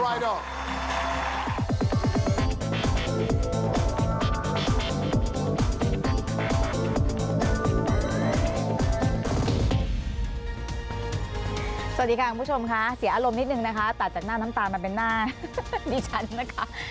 สวัสดีค่ะคุณผู้ชมค่ะเสียอารมณ์นิดนึงนะคะตัดจากหน้าน้ำตาลมาเป็นหน้าดิฉันนะคะ